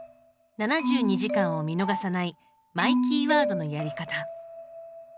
「７２時間」を見逃さないマイキーワードのやり方。